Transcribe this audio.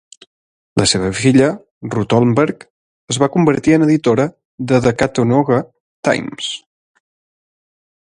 La seva filla, Ruth Holmberg, es va convertir en editora de The Chattanooga Times.